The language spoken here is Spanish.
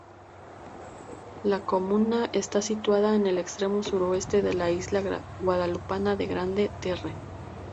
La comuna está situada en el extremo suroeste de la isla guadalupana de Grande-Terre.